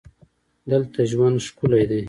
دلته ژوند ښکلی دی.